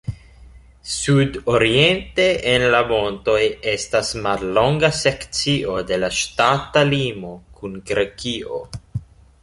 Sudoriente en la montoj estas mallonga sekcio de la ŝtata limo kun Grekio.